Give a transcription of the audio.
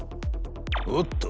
おっと！